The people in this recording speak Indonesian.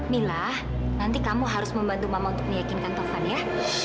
mila nanti kamu harus membantu mama untuk meyakinkan tovan ya